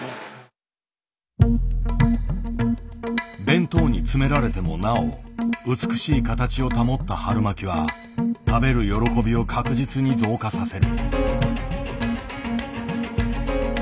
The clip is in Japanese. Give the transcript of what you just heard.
弁当に詰められてもなお美しい形を保った春巻きは食べる喜びを確実に増加させる。